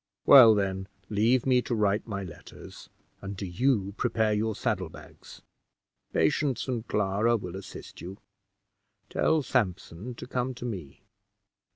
"Well, then, leave me to write my letters, and do you prepare your saddle bags. Patience and Clara will assist you. Tell Sampson to come to me."